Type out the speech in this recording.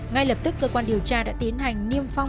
ngay lập tức cơ quan điều tra đã tiến hành niêm phong